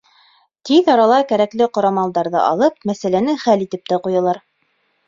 Тиҙ арала кәрәкле ҡорамалдарҙы алып, мәсьәләне хәл итеп тә ҡуялар.